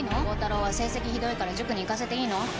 高太郎は成績ひどいから塾に行かせていいの？